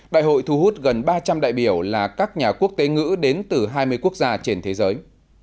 đại hội thu hút gần ba trăm linh đại biểu là các nhà quốc tế ngữ đến từ hai mươi quốc gia trên thế giới